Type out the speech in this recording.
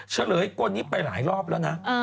เฉลยกลนี้ไปหลายรอบแล้วนะ